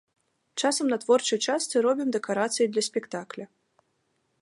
Часам на творчай частцы робім дэкарацыі для спектакля.